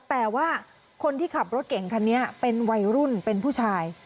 แต่ว่าคนที่ขับรถเก่งคันนี้เป็นวัยรุ่นเป็นผู้ชาย